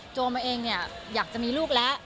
โจมเองอยากจะมีลูกแล้ว